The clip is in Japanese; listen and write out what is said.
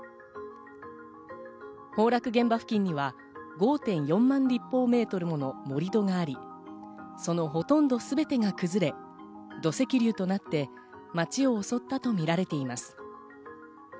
崩落現場付近には５．４万立方メートルもの盛り土があり、そのほとんどすべてが崩れ土石流となって街を襲ったとみられています。